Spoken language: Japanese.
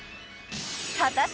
［果たして］